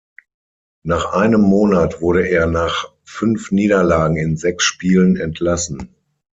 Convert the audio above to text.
Nach einem Monat wurde er nach fünf Niederlagen in sechs Spielen entlassen.